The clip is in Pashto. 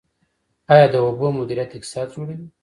آیا د اوبو مدیریت اقتصاد جوړوي؟